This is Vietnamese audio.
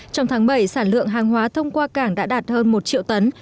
trong tháng bảy sản lượng hàng hóa thông qua cảng đã đạt hơn một triệu tấn